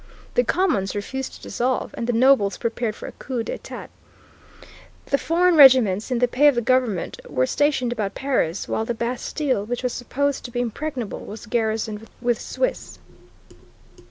The Commons refused to dissolve, and the Nobles prepared for a coup d'etat. The foreign regiments, in the pay of the government, were stationed about Paris, while the Bastille, which was supposed to be impregnable, was garrisoned with Swiss.